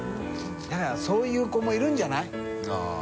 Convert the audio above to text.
だからそういう子もいるんじゃない？